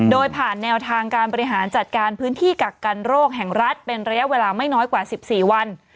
โดยผ่านแนวทางการบริหารจัดการพื้นที่กักกันโรคแห่งรัฐเป็นระยะเวลาไม่น้อยกว่า๑๔วัน